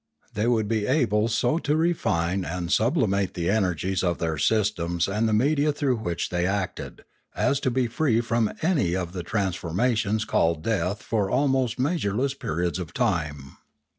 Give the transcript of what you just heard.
They would be able so to refine and sub limate the energies of their systems and the media through which they acted, as to be free from any of the transformations called death for almost measureless periods of time.